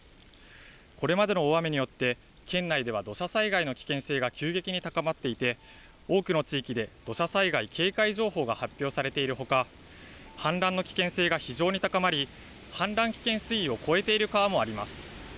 これまでの大雨によって県内では土砂災害の危険性が急激に高まっていて多くの地域で土砂災害警戒情報が発表されているほか氾濫の危険性が非常に高まり氾濫危険水位を超えている川もあります。